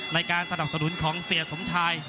ในการสนับสนุนของเสียสมชาย